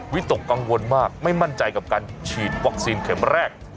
วิตกกังวลมากไม่มั่นใจกับการฉีดวัคซีนเข็มแรก